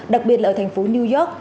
đặc biệt là ở thành phố new york